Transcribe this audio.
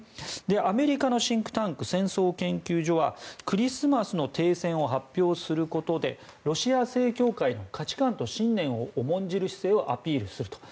アメリカのシンクタンク戦争研究所はクリスマスの停戦を発表することでロシア正教会の価値観や信念を重んじる姿勢をアピールすると。